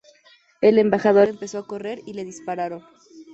El Embajador empezó a correr y le dispararon.